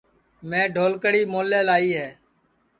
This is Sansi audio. میں ڈھلکڑی مولے لائی ہے